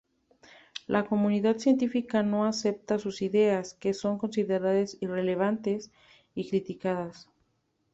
La comunidad científica no acepta sus ideas, que son consideradas irrelevantes y criticadas.